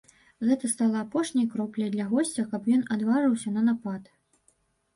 Гэта стала апошняй кропляй для госця, каб ён адважыўся на напад.